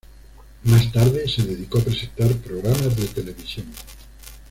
Más tarde, se dedicó a presentar programas de televisión.